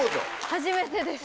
初めてです。